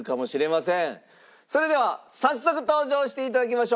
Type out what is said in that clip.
それでは早速登場して頂きましょう。